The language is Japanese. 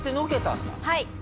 はい。